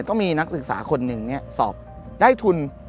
ก็มีนักศึกษาคนหนึ่งสอบได้ทุน